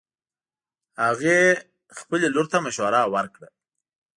هغې خبلې لور ته مشوره ورکړه